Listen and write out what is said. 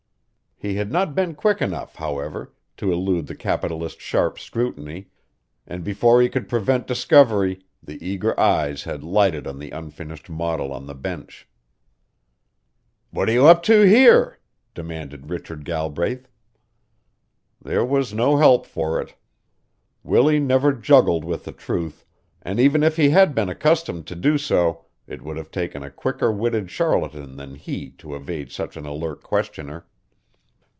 He had not been quick enough, however, to elude the capitalist's sharp scrutiny, and before he could prevent discovery the eager eyes had lighted on the unfinished model on the bench. "What are you up to here?" demanded Richard Galbraith. There was no help for it. Willie never juggled with the truth, and even if he had been accustomed to do so it would have taken a quicker witted charlatan than he to evade such an alert questioner.